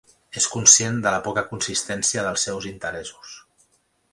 És conscient de la poca consistència dels seus interessos.